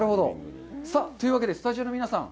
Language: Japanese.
というわけでスタジオの皆さん